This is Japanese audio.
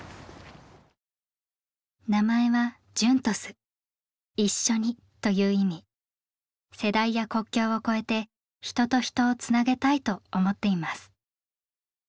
名前は世代や国境を超えて人と人をつなげたいと思っています。